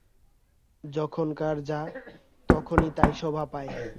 যখনকার যা তখন তাই শোভা পায়।